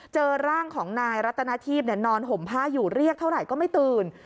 เจอร่างของนายรัตนาทีพนอนห่มผ้าอยู่เรียกเท่าไหร่ก็ไม่ตื่น